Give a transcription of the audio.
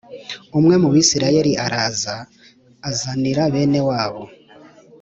Umwe mu Bisirayeli araza azanira bene wabo